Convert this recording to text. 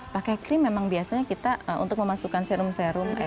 pakai krim memang biasanya kita untuk memasukkan serum serum